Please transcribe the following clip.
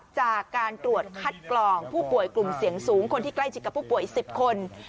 จากการตรวจคัดกรองผู้ป่วยกลุ่มเสี่ยงสูงคนที่ใกล้ชิดกับผู้ป่วย๑๐คน